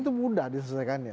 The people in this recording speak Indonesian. itu mudah diselesaikannya